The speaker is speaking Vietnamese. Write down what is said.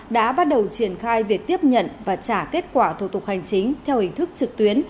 đã bắt đầu triển khai việc tiếp nhận và trả kết quả thủ tục hành chính theo hình thức trực tuyến